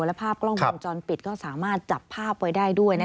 และภาพกล้องวงจรปิดก็สามารถจับภาพไว้ได้ด้วย